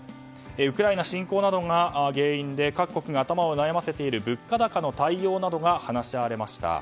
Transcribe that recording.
ウクライナ侵攻などが原因で各国が頭を悩ませている物価高の対応などが話し合われました。